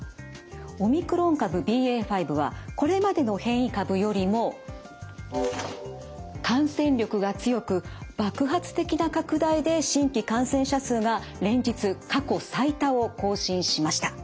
オミクロン株ＢＡ．５はこれまでの変異株よりも感染力が強く爆発的な拡大で新規感染者数が連日過去最多を更新しました。